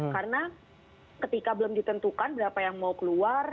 karena ketika belum ditentukan berapa yang mau keluar